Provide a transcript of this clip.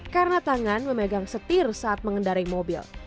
karena tangan memegang setir saat mengendari mobil